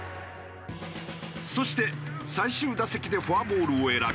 そして最終打席でフォアボールを選び